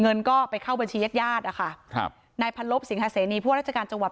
เงินก็ไปเข้าบัญชีแยกญาติอะค่ะครับ